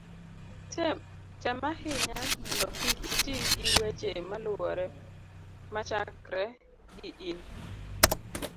tem ahinya mondo kik iti gi weche maluwore machakre gi in